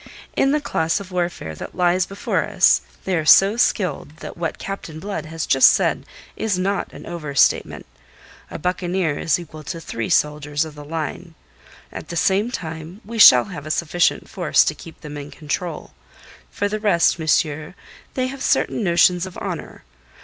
In the class of warfare that lies before us they are so skilled that what Captain Blood has just said is not an overstatement. A buccaneer is equal to three soldiers of the line. At the same time we shall have a sufficient force to keep them in control. For the rest, monsieur, they have certain notions of honour.